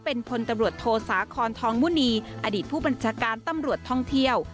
เป็นพลตำรวจโทสาคอนทองมุณีอดีตผู้บัญชาการตำรวจท่องเที่ยว